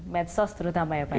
medsos terutama ya pak